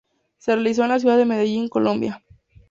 Se realizó en la ciudad de Medellín, Colombia.